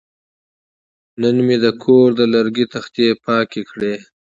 نن مې د کور د لرګي تختې پاکې کړې.